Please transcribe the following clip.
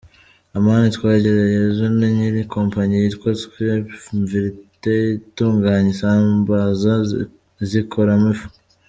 Amani Twagirayezu ni nyiri kompanyi yitwa Triumvirate itunganya isambaza izikoramo ifu.